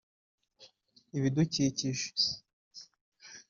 Ibidukikije